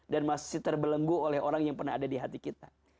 dan masih terbelenggu oleh orang yang pernah ada di hati kita